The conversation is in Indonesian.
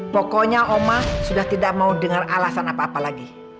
pokoknya oma sudah tidak mau dengar alasan apa apa lagi